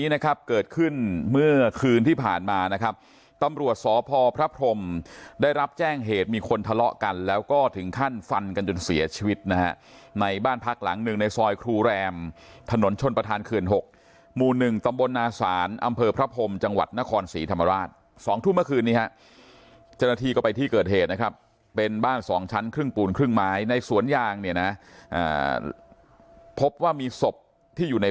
แน่งเหตุมีคนทะเลาะกันแล้วก็ถึงขั้นฟันกันจนเสียชีวิตนะฮะในบ้านพักหลังหนึ่งในซอยครูแรมถนนชนประธานคืน๖มู๑ตำบลนาศาลอำเภอพระพรมจังหวัดนครศรีธรรมราช๒ทุ่มเมื่อคืนนี้ฮะเจนทีก็ไปที่เกิดเหตุนะครับเป็นบ้าน๒ชั้นครึ่งปูนครึ่งไม้ในสวนยางเนี่ยนะพบว่ามีศพที่อยู่ใ